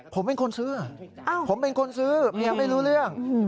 ผมเป็นคนซื้อเมียไม่รู้เรื่อง